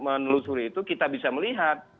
menelusuri itu kita bisa melihat